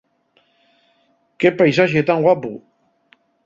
¡Qué paisaxe tan guapu!